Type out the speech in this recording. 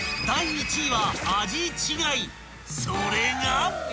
［それが］